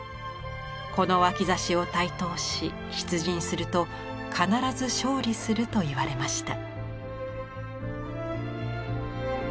この脇差を帯刀し出陣すると必ず勝利するといわれました。